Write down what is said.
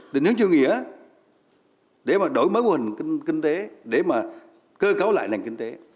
định hướng chương nghĩa để mà đổi mối hình kinh tế để mà cơ cấu lại nền kinh tế